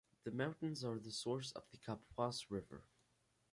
The mountains are the source of the Kapuas River.